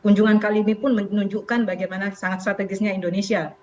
kunjungan kali ini pun menunjukkan bagaimana sangat strategisnya indonesia